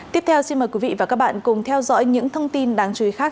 tiếp theo xin mời quý vị và các bạn cùng theo dõi những thông tin đáng chú ý khác